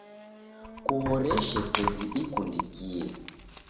Kuhoreshe seji ikundikie.